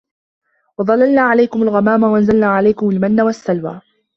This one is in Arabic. وَظَلَّلْنَا عَلَيْكُمُ الْغَمَامَ وَأَنْزَلْنَا عَلَيْكُمُ الْمَنَّ وَالسَّلْوَىٰ ۖ